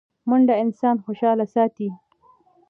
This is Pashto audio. منډه انسان خوشحاله ساتي